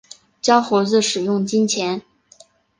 教猴子使用金钱